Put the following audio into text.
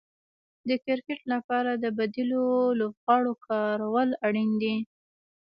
د کرکټ لپاره د بديلو لوبغاړو کارول اړين دي.